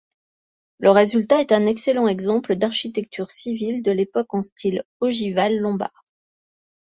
Le résultat est un excellent exemple d'architecture civile de l'époque en style ogival lombard.